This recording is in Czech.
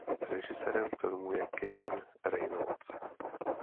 Režisérem filmu je Kevin Reynolds.